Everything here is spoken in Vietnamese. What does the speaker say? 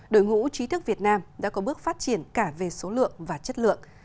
đội ngũ trí thức việt nam đã có bước phát triển cả về số lượng và chất lượng